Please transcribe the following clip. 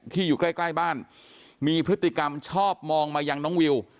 ที่อยู่ใกล้บ้านมีพฤติกรรมชอบมองมาอย่างน้องวิว